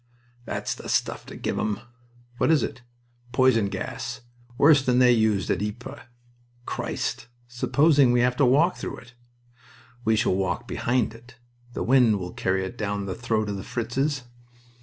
"That's the stuff to give them!" "What is it?" "Poison gas. Worse than they used at Ypres." "Christ!... supposing we have to walk through it?" "We shall walk behind it. The wind will carry it down the throat of the Fritzes.